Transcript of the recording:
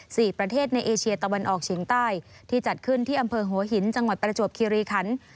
ประเทศในเอเชียตะวันออกเฉียงใต้ที่จัดขึ้นที่อำเภอหัวหินจังหวัดประจวบคิริคัน